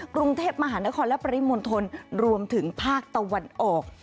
กรุงเทพมหานครและปริมณฑลรวมถึงภาคตะวันออก